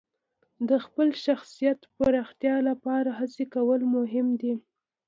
د خپل شخصیت پراختیا لپاره هڅې کول مهم دي.